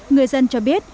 người dân cho biết